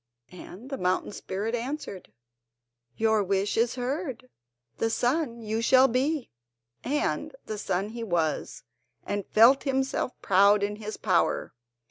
And the mountain spirit answered: "Your wish is heard; the sun you shall be." And the sun he was, and felt himself proud in his power.